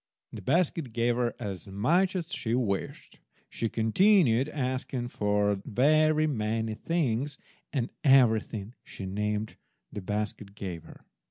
The basket gave her as much as she wished. She continued asking for very many things, and everything she named the basket gave her.